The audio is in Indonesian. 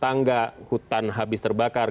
tangga hutan habis terbakar